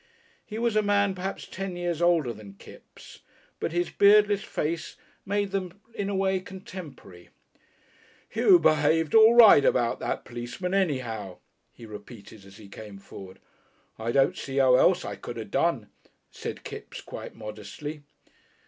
He was a man perhaps ten years older than Kipps, but his beardless face made them in a way contemporary. "You behaved all right about that policeman anyhow," he repeated as he came forward. "I don't see 'ow else I could 'ave done," said Kipps quite modestly.